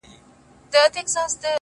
پر ټول جهان دا ټپه پورته ښه ده-